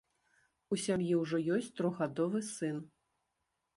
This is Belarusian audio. У сям'і ўжо ёсць трохгадовы сын.